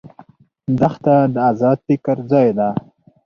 دښته د آزاد فکر ځای ده.